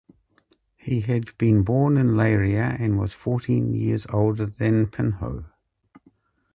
He had been born in Leiria and was fourteen years older than Pinho.